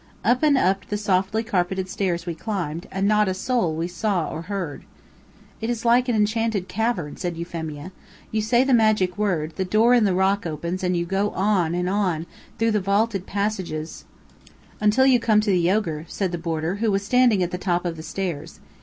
Up and up the softly carpeted stairs we climbed, and not a soul we saw or heard. "It is like an enchanted cavern," said Euphemia. "You say the magic word, the door in the rock opens and you go on, and on, through the vaulted passages " "Until you come to the ogre," said the boarder, who was standing at the top of the stairs.